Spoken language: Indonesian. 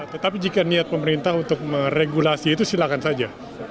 tetapi jika niat pemerintah untuk meregulasi itu silakan saja